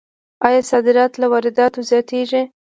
آیا صادرات له وارداتو زیاتیږي؟